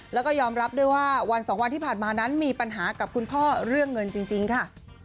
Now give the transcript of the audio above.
แล้วก็ยอมรับด้วยว่าวันสองวันที่ผ่านมานั้นมีปัญหากับคุณพ่อเรื่องเงินจริงค่ะ